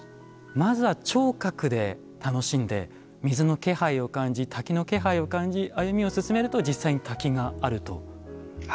まずは聴覚で楽しんで水の気配を感じ、滝の気配を感じ歩みを進めると実際に滝があると。